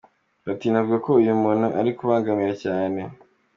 Platini avuga ko uyu muntu ari kubabangamira cyane.